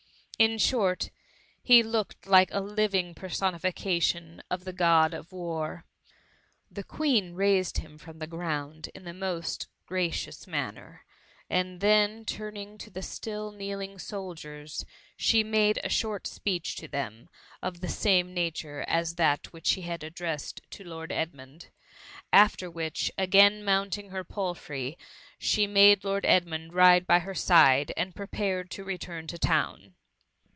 In short, he looked a living per sonification of the Grod of War. The Queen raised him from the ground in the most gracious manner; and then turning to the still kneeling soldiers, she made a short speech to them, of the same nature as that which she had addressed to Lord Edmund: after which, again mounting her palfrey, she made Lord Edmund ride by her side, and prepared to return to town.